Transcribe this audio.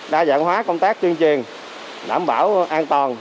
đa dạng hóa công tác tuyên truyền đảm bảo an toàn